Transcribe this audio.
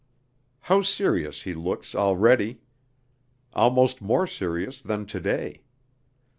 How serious he looks, already! Almost more serious than today.